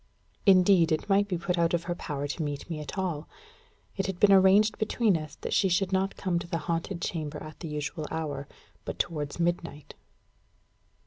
Indeed, it might be put out of her power to meet me at all. It had been arranged between us that she should not come to the haunted chamber at the usual hour, but towards midnight.